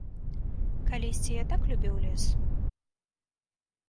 Калісьці я так любіў лес.